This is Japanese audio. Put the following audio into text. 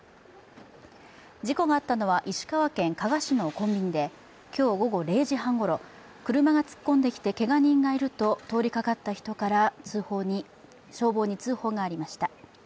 事故があったのは石川県加賀市のコンビニで今日午後０時半ごろ、車が突っ込んできて、けが人がいると通りかかった人から消防に通報がありました。